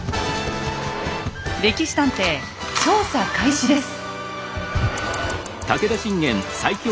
「歴史探偵」調査開始です。